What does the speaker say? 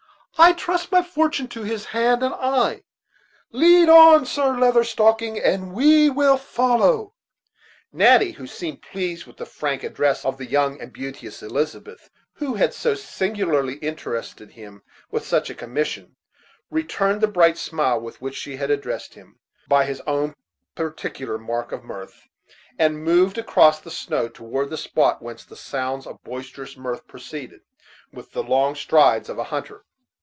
I trust my fortune to his hand and eye. Lead on, Sir Leather Stocking, and we will follow." Natty, who seemed pleased with the frank address of the young and beauteous Elizabeth, who had so singularly intrusted him with such a commission, returned the bright smile with which she had addressed him, by his own peculiar mark of mirth, and moved across the snow toward the spot whence the sounds of boisterous mirth proceeded, with the long strides of a hunter.